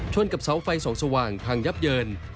กับเสาไฟส่องสว่างพังยับเยิน